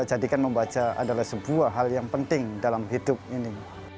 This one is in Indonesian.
jadikan membaca adalah sebuah hal yang penting dalam hidup ini